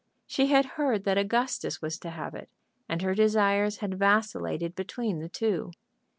She had heard that Augustus was to have it, and her desires had vacillated between the two.